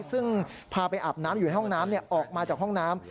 ซึ่งพาไปอาบน้ำอยู่ในห้องน้ำออกมาจากห้องน้ำ